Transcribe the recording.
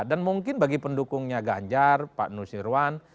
dan mungkin bagi pendukungnya ganjar pak nur sirwan